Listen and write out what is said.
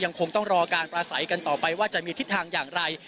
คงต้องรอการประสัยกันต่อไปว่าจะมีทิศทางอย่างไร